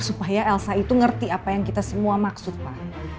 supaya elsa itu ngerti apa yang kita semua maksudkan